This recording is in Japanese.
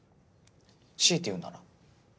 強いて言うなら？